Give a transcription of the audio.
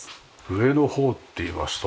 上の方っていいますと？